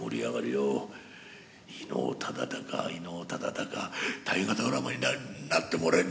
「伊能忠敬伊能忠敬大河ドラマになってもらえれば」。